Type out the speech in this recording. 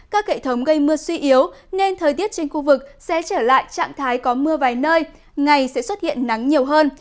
các hệ thống gây mưa suy yếu nên thời tiết trên khu vực sẽ trở lại trạng thái có mưa vài nơi ngày sẽ xuất hiện nắng nhiều hơn